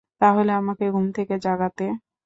তাহলে আমাকে ঘুম থেকে জাগাতে।